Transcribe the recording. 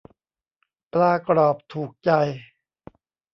ปลากรอบถูกใจ